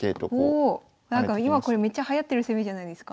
おなんか今これめっちゃはやってる攻めじゃないですか。